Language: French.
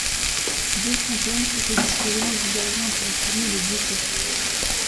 Deux fontaines étaient disposées dans une galerie entre la cuisine et le buffet.